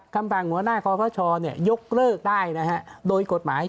คำสั่งหัวหน้าคอพระชอยกเลิกได้โดยกฎหมาย